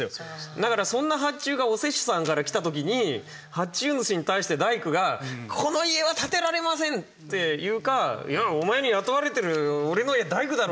だからそんな発注がお施主さんからきたときに発注主に対して大工が「この家は建てられません」って言うか「お前雇われてる俺の大工だろ！